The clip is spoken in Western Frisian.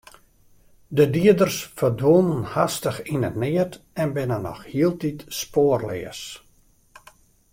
De dieders ferdwûnen hastich yn it neat en binne noch hieltyd spoarleas.